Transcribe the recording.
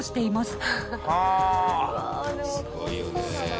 すごいよね。